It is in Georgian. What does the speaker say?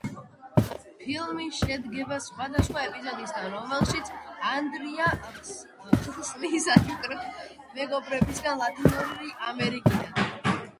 ფილმი შედგება სხვადასხვა ეპიზოდისგან, რომლებშიც დონალდ დაკი ხსნის საჩუქრებს მეგობრებისგან ლათინური ამერიკიდან.